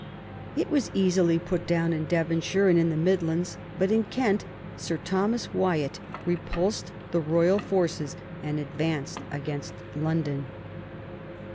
It was easily put down in Devon shire and in the Midlands, but in Kent Sir' Thomas Wyatt repulsed the Royal forces and advanced against London.